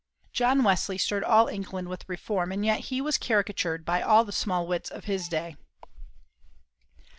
John Wesley stirred all England with reform, and yet he was caricatured by all the small wits of his day.